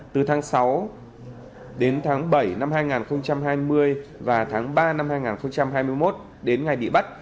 từ tháng sáu đến tháng bảy năm hai nghìn hai mươi và tháng ba năm hai nghìn hai mươi một đến ngày bị bắt